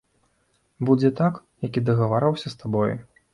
Будзе так, як я дагаварваўся з табой?